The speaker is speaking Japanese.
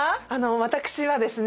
私はですね